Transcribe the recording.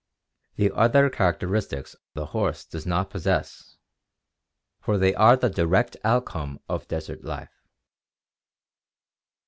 The other characteristics the horse does not possess, for they are the direct outcome of desert life.